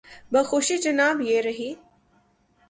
بخوشی جناب، یہ رہی۔